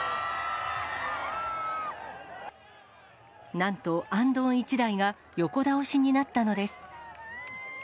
なんと、あんどん１台が横倒しになったのです。